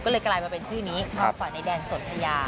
ก็เลยกลายมาเป็นชื่อนี้ความฝันในแดนสนทยา